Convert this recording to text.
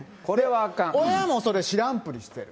親もそれ知らんぷりしてる。